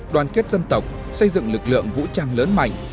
đoàn kết dân tộc xây dựng lực lượng vũ trang lớn mạnh